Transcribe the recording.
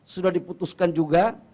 sudah diputuskan juga